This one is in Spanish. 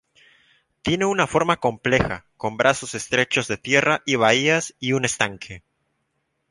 Tiene una forma compleja, con brazos estrechos de tierra y bahías y un estanque.